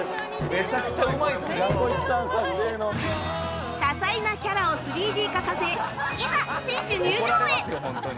めっちゃうまい」多彩なキャラを ３Ｄ 化させいざ選手入場へ